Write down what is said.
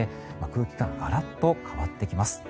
空気感がガラッと変わってきます。